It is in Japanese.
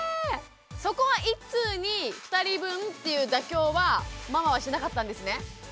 そこは１通に２人分っていう妥協はママはしなかったんですね？